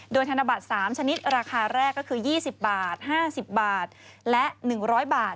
โดยธนบัตร๓ชนิดราคาแรกก็คือ๒๐บาท๕๐บาทและ๑๐๐บาท